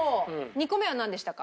２個目はなんでしたか？